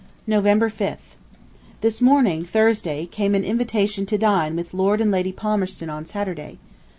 November 5th. This morning, Thursday, came an invitation to dine with Lord and Lady Palmerston on Saturday.